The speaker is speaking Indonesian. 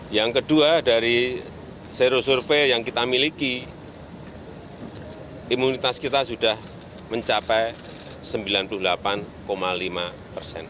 yang kedua dari sero survei yang kita miliki imunitas kita sudah mencapai sembilan puluh delapan lima persen